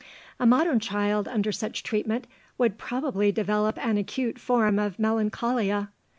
A modern child under such treatment would probably develop an acute form of melancholia.